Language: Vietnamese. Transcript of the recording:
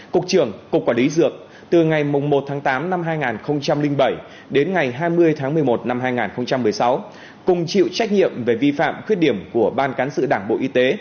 cùng chịu trách nhiệm về vi phạm khuyết điểm của ban cán sự đảng bộ y tế